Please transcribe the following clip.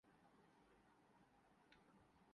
بے جا ادق لفظیات سے قاری پر رعب ڈالتے نظر نہیں آتے